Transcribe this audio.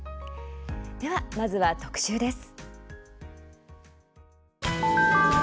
では、まずは、特集です。